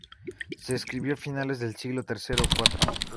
Se escribió a finales del siglo tercero o cuarto.